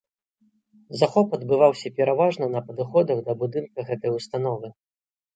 Захоп адбываўся пераважна на падыходах да будынка гэтай установы.